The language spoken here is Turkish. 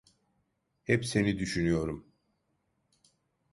Hep seni düşünüyorum.